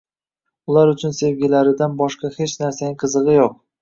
Ular uchun sevgilaridan boshqa hech narsaning qizigʻi yoʻq